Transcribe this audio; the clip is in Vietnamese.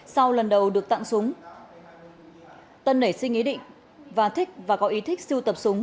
sau lần đầu được tặng súng tân nảy sinh ý định và thích và có ý thích siêu tập súng